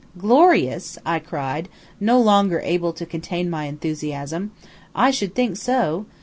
"Glorious!" I cried, no longer able to contain my enthusiasm; "I should think so.